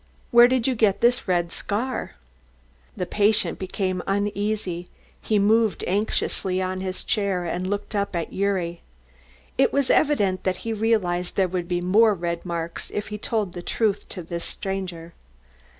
"Where did you get this red scar?" The patient became uneasy, he moved anxiously on his chair and looked up at Gyuri. It was evident that he realised there would be more red marks if he told the truth to this stranger.